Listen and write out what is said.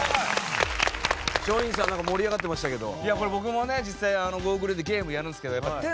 松陰寺さんなんか盛り上がってましたけど。